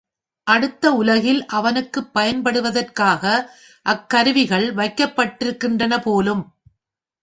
அடுத்த உலகில் அவனுக்குப் பயன்படுவதற்காக அக்கருவிகள் வைக்கப்படுகின்றனபோலும்.